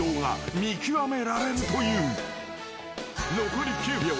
［残り９秒。